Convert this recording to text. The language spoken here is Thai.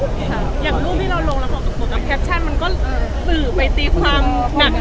อย่างรูปที่เราลงแล้วผมตกตกกับแคปชั่น